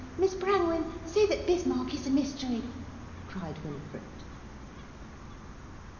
_ Miss Brangwen, say that Bismarck is a mystery," cried Winifred.